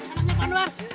jangan paham pentah itu